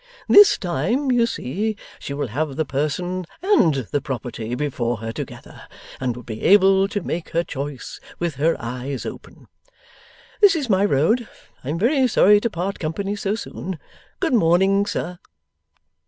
This time, you see, she will have the person and the property before her together, and will be able to make her choice with her eyes open. This is my road. I am very sorry to part company so soon. Good morning, sir!